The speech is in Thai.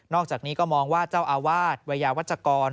อกจากนี้ก็มองว่าเจ้าอาวาสวัยยาวัชกร